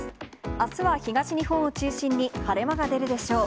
あすは東日本を中心に晴れ間が出るでしょう。